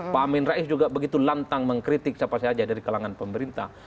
pak amin rais juga begitu lantang mengkritik siapa saja dari kalangan pemerintah